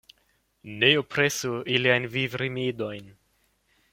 Ne opresu iliajn vivrimedojn.